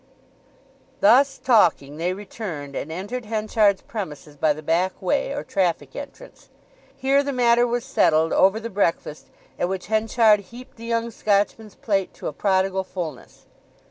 Thus talking they returned, and entered Henchard's premises by the back way or traffic entrance. Here the matter was settled over the breakfast, at which Henchard heaped the young Scotchman's plate to a prodigal fulness.